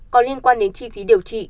có liên quan đến chi phí điều trị